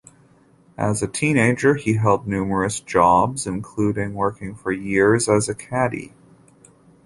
As a teenager, he held numerous jobs, including working for years as a caddy.